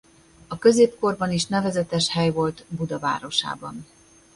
A középkorban is nevezetes hely volt Buda városában.